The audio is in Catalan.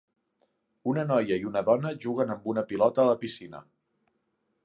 Una noia i una dona juguen amb una pilota a la piscina.